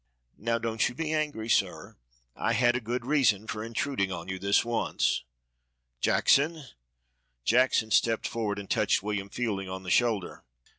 "Now don't you be angry, sir. I had a good reason for intruding on you this once. Jackson!" Jackson stepped forward and touched William Fielding on the shoulder.